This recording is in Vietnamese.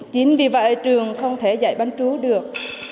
chính vì vậy trường không thể dạy bán chú được